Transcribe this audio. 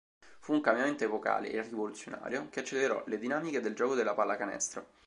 Fu un cambiamento epocale e rivoluzionario, che accelerò le dinamiche del gioco della pallacanestro.